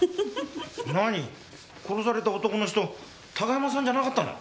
何殺された男の人高山さんじゃなかったの？